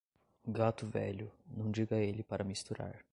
Gato velho, não diga a ele para misturar.